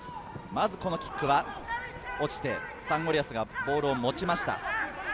まずキックは落ちてサンゴリアスがボールを持ちました。